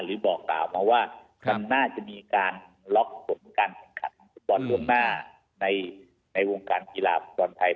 หรือบอกกล่าวมาว่าคำน่าจะมีการล็อคกรมการสังขัดสปอร์ตเรื่องหน้าในวงการกีฬาประกอบสนับไทย